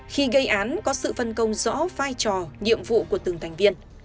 khi gây án có sự phân công rõ vai trò nhiệm vụ của từng thành viên